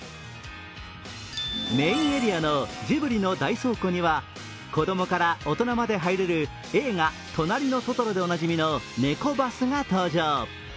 メインエリアのジブリの大倉庫には子どもから大人まで入れる映画「となりのトトロ」でおなじみのネコバスが搭乗。